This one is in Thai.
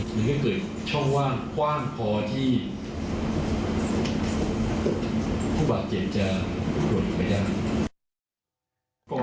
มันก็คือช่องว่างคว่างพอที่ผู้บัตรเจ็บจะห่วงออกไปได้